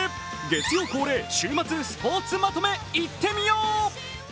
月曜恒例、週末スポ−ツまとめいってみよう。